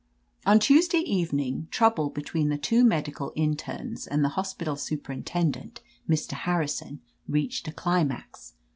"On Tuesday evening, trouble between the two medical internes and the hospital superin tendent, Mr. Harrison, reached a climax.